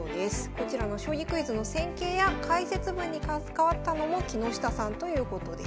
こちらの将棋クイズの戦型や解説文に関わったのも木下さんということです。